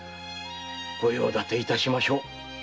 ご用立ていたしましょう。